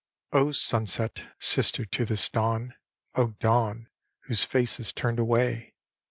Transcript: O sunset, sister to this dawn! O dawn, whose face is turned away!